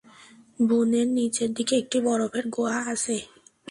বনের নিচের দিকে একটি বরফের গুহা আছে।